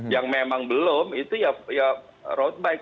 yang memang belum itu ya road bike